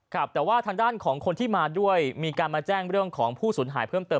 ครับแต่ว่าทางด้านของคนที่มาด้วยมีการมาแจ้งเรื่องของผู้สูญหายเพิ่มเติม